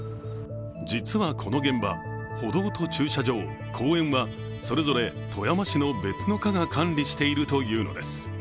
実はこの現場、歩道と駐車場、公園はそれぞれ富山市の別の課が管理しているというのです。